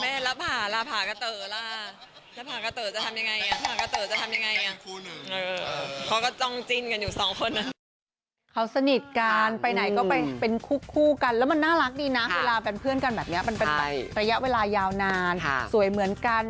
แม่รับหารับหากะเต๋อล่ะรับหากะเต๋อจะทำยังไงรับหากะเต๋อจะทำยังไง